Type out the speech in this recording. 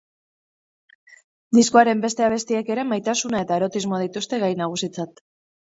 Diskoaren beste abestiek ere maitasuna eta erotismoa dituzte gai nagusitzat.